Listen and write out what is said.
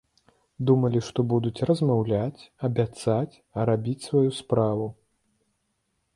Думалі, што будуць размаўляць, абяцаць, а рабіць сваю справу.